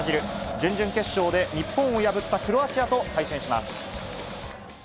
準々決勝で日本を破ったクロアチアと対戦します。